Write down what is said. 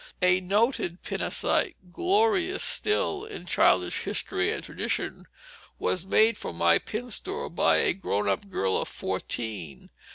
A noted "pin a sight," glorious still in childish history and tradition, was made for my pin store by a grown up girl of fourteen.